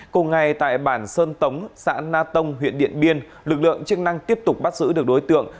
cùng ngày tại bản sơn tống xã na tông huyện điện biên lực lượng chức năng tiếp tục bắt giữ được đối tượng